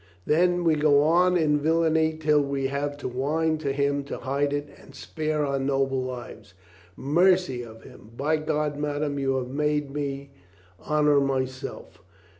Then we go on in villainy till we have to whine to him to hide it and spare our noble lives. Mercy of him ! By God, madame, you have made me honor myself!"